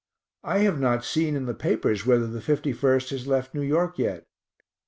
I have not seen in the papers whether the 51st has left New York yet.